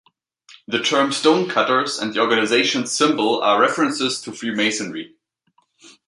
The term "Stonecutters" and the organization's symbol are references to Freemasonry.